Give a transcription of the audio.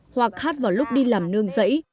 hoặc hát vào lúc đi làm nương rẫy